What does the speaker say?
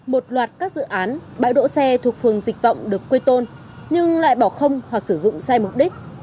một loạt các dự án bãi đỗ xe thuộc phường dịch vọng được quây tôn nhưng lại bỏ không hoặc sử dụng sai mục đích